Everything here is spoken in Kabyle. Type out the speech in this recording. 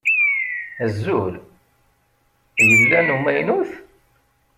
Azul! Yella n umaynut?